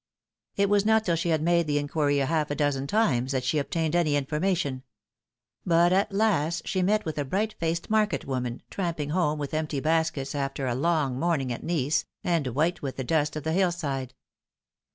It was not till she had made the inquiry half a dozen times that she obtained any information ; but at last she met with a bright faced market woman, tramping home with empty baskets after a long morning at Nice, and white with the dust of the hill side.